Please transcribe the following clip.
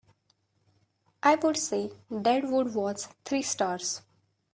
I would say Dead Wood was three stars